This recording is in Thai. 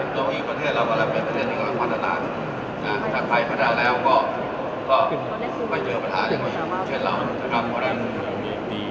ตรงนี้ประเทศเราก็แล้วเป็นประเทศที่มีความปัญหาต่างถ้าใครปัญหาแล้วก็ไม่เจอปัญหาอย่างนี้เช่นเรานะครับ